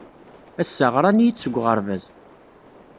Ass-a, ɣran-iyi-d seg uɣerbaz.